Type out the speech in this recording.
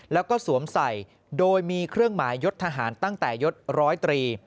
แล้วก็สวมใส่โดยมีเครื่องหมายยดทหารตั้งแต่ยดร้อยตรี